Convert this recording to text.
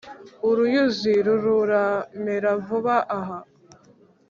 uruyuzi rururamera vuba aha